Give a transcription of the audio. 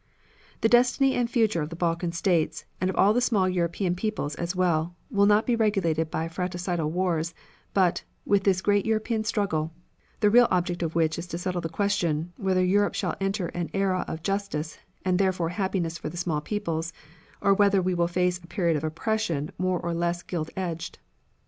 "The destiny and future of the Balkan States, and of all the small European peoples as well, will not be regulated by fratricidal wars, but, with this great European struggle, the real object of which is to settle the question whether Europe shall enter an era of justice, and therefore happiness for the small peoples, or whether we will face a period of oppression more or less gilt edged.